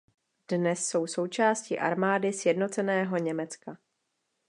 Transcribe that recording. Dnes jsou součástí armády sjednoceného Německa.